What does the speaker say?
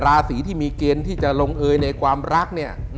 ราศีที่มีเกณฑ์ที่จะลงเอยในความรักเนี่ย